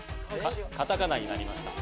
カタカナになりました。